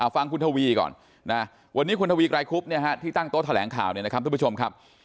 ฟังคุณทวีก่อนนะวันนี้คุณทวีไกรคุบที่ตั้งโต๊ะแถลงข่าวเนี่ยนะครับทุกผู้ชมครับ